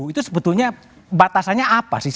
itu sebetulnya batasannya apa sih